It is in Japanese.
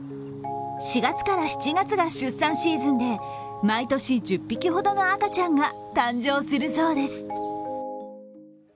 ４月から７月が出産シーズンで毎年１０匹ほどの赤ちゃんが誕生するそうです。